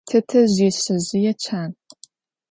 Tetezj yişsezjıê çan.